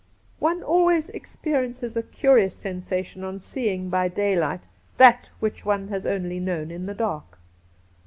One always experiences a curious sensation on seeing by daylight that which one has only known in the dark.